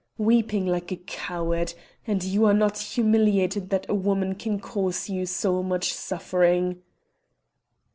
Weeping like a coward! And you are not humiliated that a woman can cause you so much suffering?"